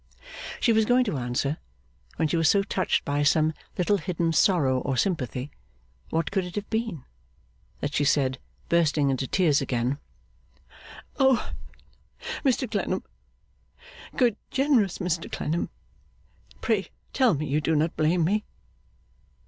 She was going to answer, when she was so touched by some little hidden sorrow or sympathy what could it have been? that she said, bursting into tears again: 'O Mr Clennam! Good, generous, Mr Clennam, pray tell me you do not blame me.